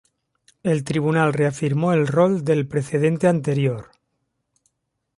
El tribunal reafirmó el rol del precedente anterior.